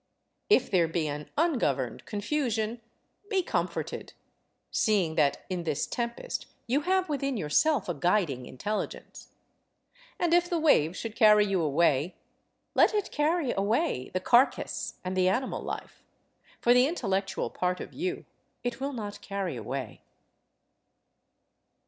If there be an ungoverned confusion, be comforted; seeing that in this tempest you have within yourself a guiding intelligence. And, if the wave should carry you away, let it carry away the carcase and the animal life, for the intellectual part of you it will not carry away.